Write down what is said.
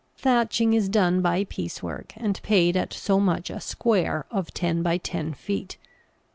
Thatching is done by piece work, and paid at so much a "square" of ten by ten feet.